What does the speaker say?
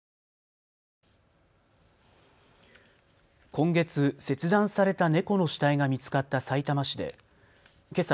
今月、切断された猫の死体が見つかったさいたま市でけさ